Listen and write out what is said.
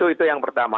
itu yang pertama